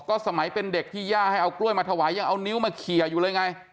ก็สมัยเป็นเด็กที่ย่าให้เอากล้วยมาถวายยังเอานิ้วมาเขียอยู่เลยไง